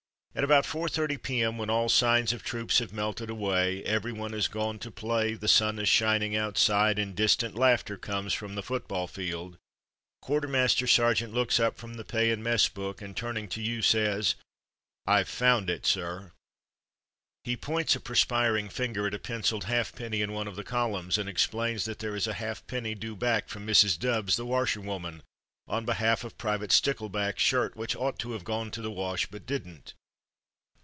At about 4.30 P.M., when all signs of troops have melted away, everyone has gone to play, the sun is shining outside, and dis 26 From Mud to Mufti tant laughter comes from the football field, the quartermaster sergeant looks up from the pay and mess book, and turning to you says, "Fve found it, sir!" He points a perspiring finger at a pencilled halfpenny in one of the columns, and ex plains that there is a halfpenny due back from Mrs. Dubbs, the washerwoman, on behalf of Private Stickleback's shirt which ought to have gone to the wash but didn't.